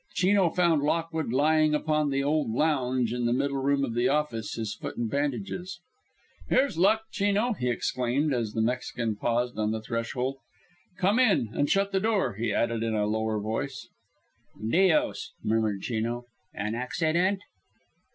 Chino found Lockwood lying upon the old lounge in the middle room of the office, his foot in bandages. "Here's luck, Chino," he exclaimed, as the Mexican paused on the threshold. "Come in and shut the door," he added in a lower voice. "Dios!" murmured Chino. "An accident?"